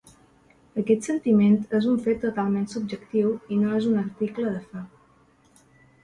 Aquest sentiment és un fet totalment subjectiu i no és un article de fe.